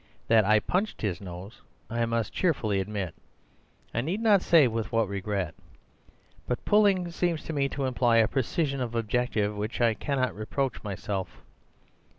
That I punched his nose I must cheerfully admit (I need not say with what regret); but pulling seems to me to imply a precision of objective with which I cannot reproach myself.